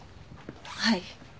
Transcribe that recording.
はい。